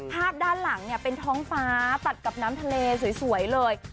ด้านหลังเนี่ยเป็นท้องฟ้าตัดกับน้ำทะเลสวยเลย